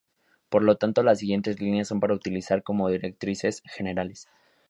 Por lo tanto, las siguientes líneas son para utilizar como directrices generales.